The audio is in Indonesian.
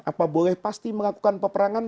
apa boleh melakukan peperangan